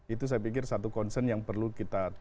itu saya pikir satu concern yang perlu kita